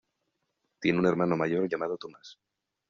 Tiene un hermano mayor llamado Tomás.